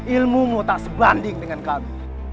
ilmu kamu tidak sebanding dengan kami